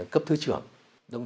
cấp thứ trưởng